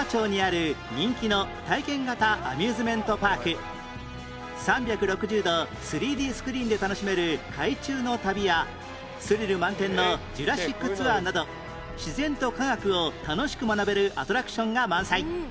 白浜町にある３６０度 ３Ｄ スクリーンで楽しめる海中の旅やスリル満点のジュラシックツアーなど自然と科学を楽しく学べるアトラクションが満載